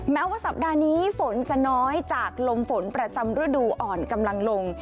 แม้ว่าสัปดาห์นี้ฝนจะน้อยจากลมฝนประจำฤดูอ่อนกำลังลง